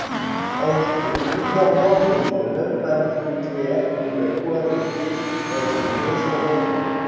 En effet, plusieurs membres d’une même famille nucléaire pouvaient cohabiter dans une maison longue.